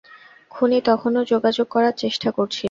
খুনি তখনও যোগাযোগ করার চেষ্টা করছিল।